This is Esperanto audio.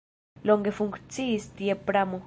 Longe funkciis tie pramo.